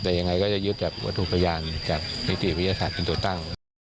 แต่ยังไงก็จะยึดจากวัตถุพยานจากนิติวิทยาศาสตร์เป็นตัวตั้ง